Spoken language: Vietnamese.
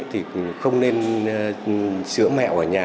thì không nên sửa mẹo ở nhà